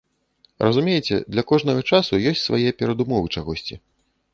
Разумееце, для кожнага часу ёсць свае перадумовы чагосьці.